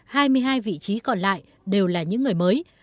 hai vị trí còn lại đều là những người mới